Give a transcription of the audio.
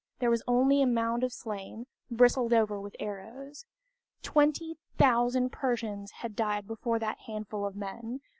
There was only a mound of slain, bristled over with arrows. Twenty thousand Persians had died before that handful of men!